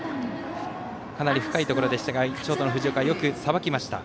かなり深いところでしたがショートの藤岡よくさばきました。